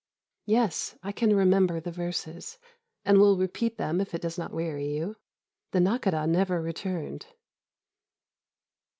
"Yes, I can remember the verses, and will repeat them if it does not weary you. The Nakhôdah never returned.